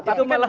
gak ada masalah